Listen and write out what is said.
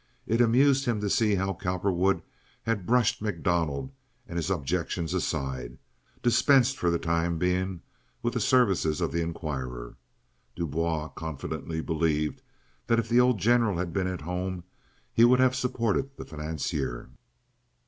It amused him to see how Cowperwood had brushed MacDonald and his objections aside—dispensed for the time being with the services of the Inquirer. Du Bois confidently believed that if the old General had been at home he would have supported the financier.